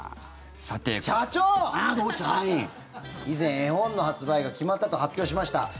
以前、絵本の発売が決まったと発表しました。